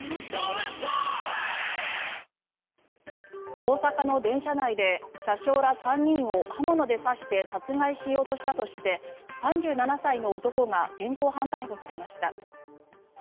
大阪の電車内で車掌ら３人を刃物で刺して殺害しようとしたとして３７歳の男が現行犯逮捕されました。